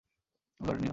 লড়ো, নিও!